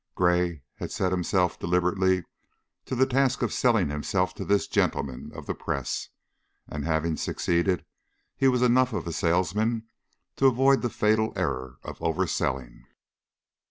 Gray had set himself deliberately to the task of selling himself to this gentleman of the press, and, having succeeded, he was enough of a salesman to avoid the fatal error of overselling.